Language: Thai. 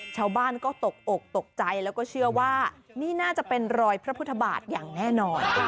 ชาวบ้านก็ตกอกตกใจแล้วก็เชื่อว่านี่น่าจะเป็นรอยพระพุทธบาทอย่างแน่นอน